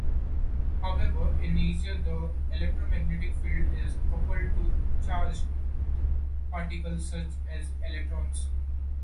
However, in nature the electromagnetic field is coupled to charged particles, such as electrons.